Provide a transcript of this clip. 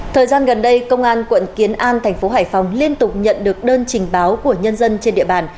thời gian gần đây công an quận kiến an thành phố hải phòng liên tục nhận được đơn trình báo của nhân dân trên địa bàn